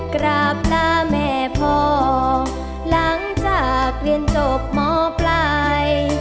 กราบหน้าแม่พ่อหลังจากเรียนจบหมอปลาย